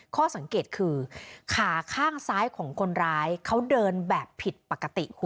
ข้อสังเกตคือขาข้างซ้ายของคนร้ายเขาเดินแบบผิดปกติคุณ